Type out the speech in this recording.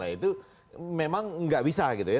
nah itu memang nggak bisa gitu ya